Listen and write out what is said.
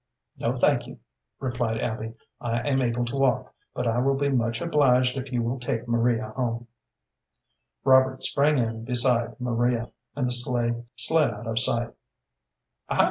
"No, thank you," replied Abby. "I am able to walk, but I will be much obliged if you will take Maria home." Robert sprang in beside Maria, and the sleigh slid out of sight.